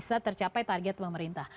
bisa tercapai target pemerintah